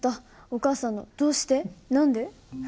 お母さんの「どうして？何で？」。